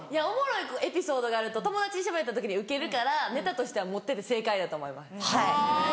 おもろいエピソードがあると友達にしゃべった時にウケるからネタとしては持ってて正解やと思います。